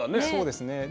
そうですね。